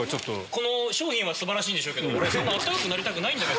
この商品は素晴らしいんでしょうけど。